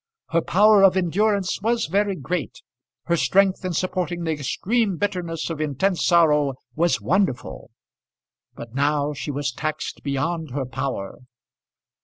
Her power of endurance was very great. Her strength in supporting the extreme bitterness of intense sorrow was wonderful. But now she was taxed beyond her power.